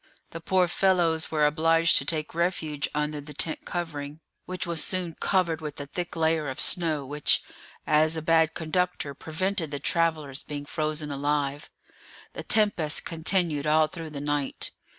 The poor fellows were obliged to take refuge under the tent covering, which was soon covered with a thick layer of snow, which, as a bad conductor, prevented the travellers being frozen alive. The tempest continued all through the night.